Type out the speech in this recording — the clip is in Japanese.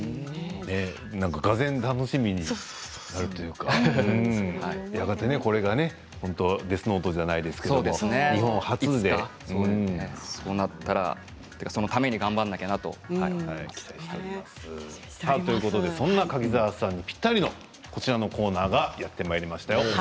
がぜん楽しみになるというかやがてこれが「デスノート」じゃないですけどそうなったらそのためにそんな柿澤さんにぴったりのこちらのコーナーがやってまいりましたよ。